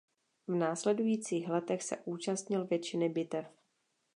V následujících letech se účastnil většiny bitev.